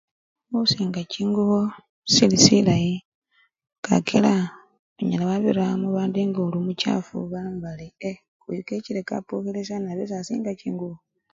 Khusinga chingubo sili silayi kakila onyala wabira mubandu ngoli omuchafu baloma bari ee! oyu kechile mubandu kapukhile sana abe sasinga chingubo.